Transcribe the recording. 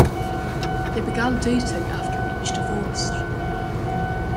They began dating after each divorced.